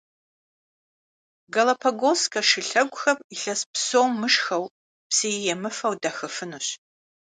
Галапагосскэ шылъэгухэр илъэс псо мышхэу, псыи емыфэу дахыфынущ.